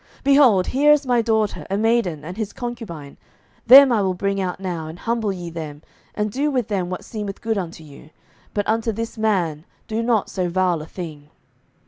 07:019:024 Behold, here is my daughter a maiden, and his concubine; them I will bring out now, and humble ye them, and do with them what seemeth good unto you: but unto this man do not so vile a thing.